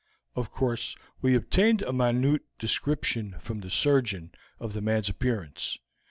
Of course we obtained a minute description from the surgeon of the man's appearance.